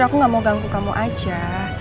aku gak mau ganggu kamu aja